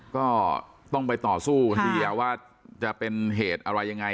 ก็ต้องไปต่อสู้เฮียว่าจะเป็นเหตุอะไรยังไง